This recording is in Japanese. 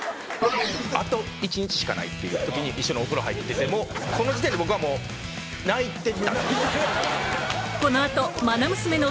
あと１日しかないっていう時に一緒にお風呂入っててもうその時点で僕はもう泣いてたんです。